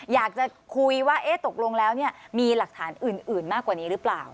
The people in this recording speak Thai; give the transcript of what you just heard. อยากจะคุยว่าตกลงแล้วมีหลักฐานอื่นมากกว่านี้หรือเปล่า